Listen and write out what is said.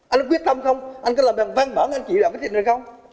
anh có quyết tâm không anh có làm bằng văn bản anh chịu làm cái gì nữa không